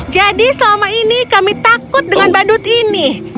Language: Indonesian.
jadi selama ini kami takut dengan badut ini